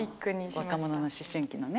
若者の思春期のね。